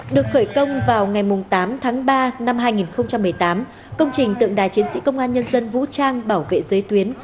được khởi công vào ngày tám tháng ba năm hai nghìn một mươi tám công trình tượng đài chiến sĩ công an nhân dân vũ trang bảo vệ giới tuyến